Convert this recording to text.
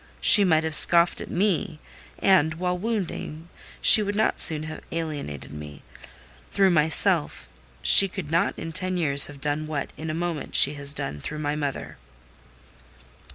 She might have scoffed at me, and, while wounding, she would not soon have alienated me: through myself, she could not in ten years have done what, in a moment, she has done through my mother."